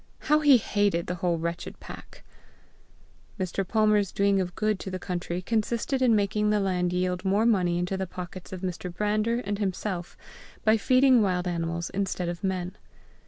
How he hated the whole wretched pack! Mr. Palmer's doing of good to the country consisted in making the land yield more money into the pockets of Mr. Brander and himself by feeding wild animals instead of men.